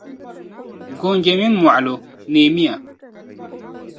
Goonji minii mɔɣilo, neemiya!